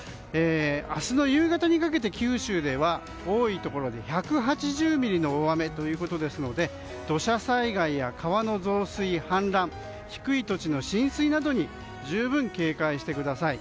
明日の夕方にかけて九州では多いところで１８０ミリの大雨ということですので土砂災害や川の増水、氾濫低い土地の浸水などに十分警戒してください。